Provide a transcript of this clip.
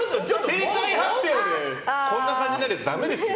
正解言ってこんな感じになるやつダメですよ。